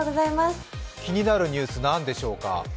気になるニュース、何でしょうか。